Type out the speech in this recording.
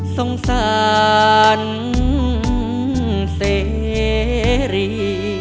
สงสารเสรี